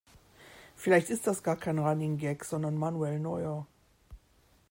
Vielleicht ist das gar kein Running Gag, sondern Manuel Neuer.